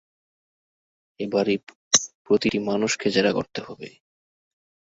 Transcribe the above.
এ-বাড়ির প্রতিটি মানুষকে জেরা করতে হবে!